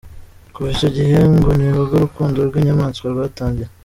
Kuva icyo gihe ngo nibwo urukundo rw’inyamaswa rwatangiye.